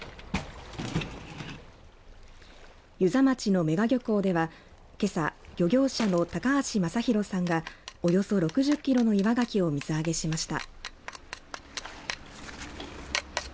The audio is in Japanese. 遊佐町の女鹿漁港ではけさ、漁業者の高橋正博さんがおよそ６０キロの岩がきを水揚げしました。